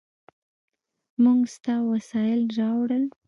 موږ ستا وسایل راوړل.